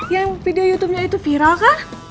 yang video youtubenya itu viral kah